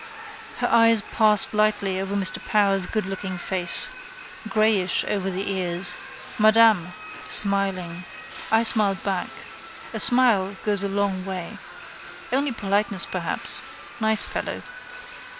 His eyes passed lightly over Mr Power's goodlooking face. Greyish over the ears. Madame: smiling. I smiled back. A smile goes a long way. Only politeness perhaps. Nice fellow.